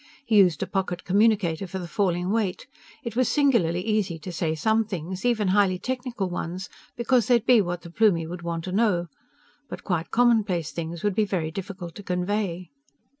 He used a pocket communicator for the falling weight. It was singularly easy to say some things, even highly technical ones, because they'd be what the Plumie would want to know. But quite commonplace things would be very difficulty to convey.